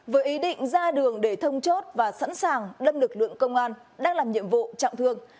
với ý định ra đường để thông chốt và sẵn sàng đâm lực lượng công an đang làm nhiệm vụ trọng thương